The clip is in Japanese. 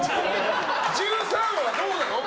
１３はどうなの？